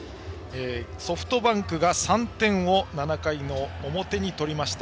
ソフトバンクが３点を７回の表に取りました。